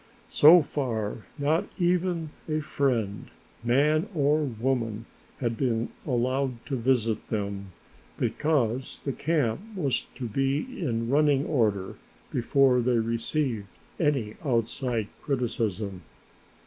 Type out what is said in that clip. So far not even a friend, man or woman, had been allowed to visit them, because the camp was to be in running order before they received any outside criticism.